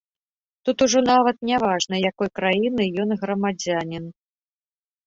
Тут ужо нават няважна, якой краіны ён грамадзянін.